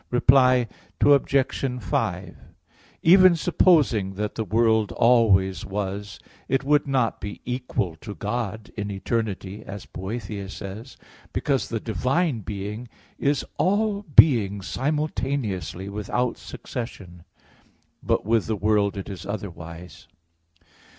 Reply Obj. 5: Even supposing that the world always was, it would not be equal to God in eternity, as Boethius says (De Consol. v, 6); because the divine Being is all being simultaneously without succession; but with the world it is otherwise.